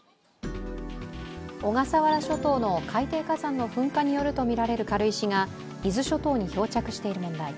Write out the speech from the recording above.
小笠原諸島の海底火山の噴火によるとみられる軽石が伊豆諸島に漂着している問題。